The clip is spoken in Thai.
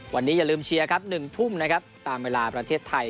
วันนี้อย่าลืมเชียร์ครับ๑ทุ่มนะครับตามเวลาประเทศไทย